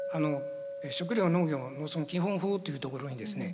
「食料・農業・農村基本法」というところにですね